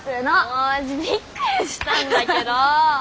もうびっくりしたんだけど！